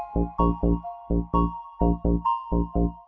pokoknya udah bales kan